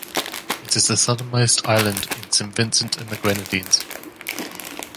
It is the southernmost island in Saint Vincent and the Grenadines.